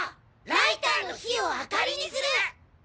ライターの火をあかりにする！